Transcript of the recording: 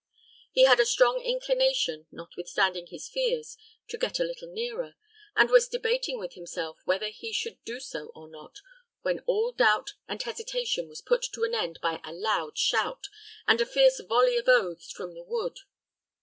He had a strong inclination, notwithstanding his fears, to get a little nearer, and was debating with himself whether he should do so or not, when all doubt and hesitation was put to an end by a loud shout, and a fierce volley of oaths from the wood.